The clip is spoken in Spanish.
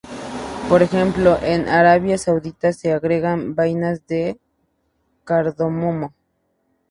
Por ejemplo, en Arabia Saudita, se agregan vainas de cardamomo.